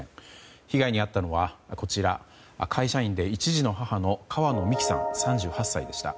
被害に遭ったのはこちら会社員で１児の母の川野美樹さん、３８歳でした。